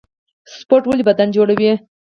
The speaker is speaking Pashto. سپورټ ولې بدن جوړوي؟